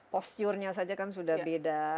posturnya saja kan sudah beda